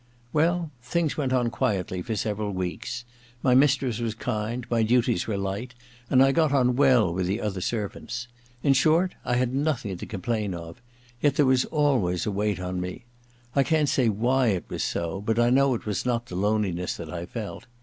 Well, things went on quietly for several weeks. My mistress was kind, my duties were light, and I got on well with the other servants. In short, I had nothing to complain of; yet there was always a weight on me. I can't say why it was so, but I know it was not the loneli ness that I felt.